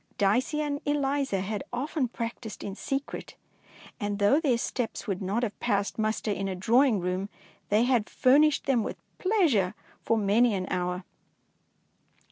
Dicey and Eliza had often practised in secret, and though their steps would not have passed muster in a drawing room, they had furnished them with pleasure for many an hour.